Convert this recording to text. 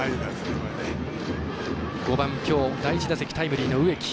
５番、きょう第１打席タイムリーの植木。